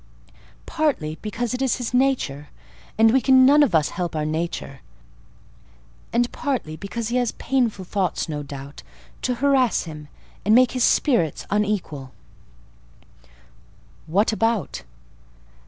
"Partly because it is his nature—and we can none of us help our nature; and partly because he has painful thoughts, no doubt, to harass him, and make his spirits unequal." "What about?"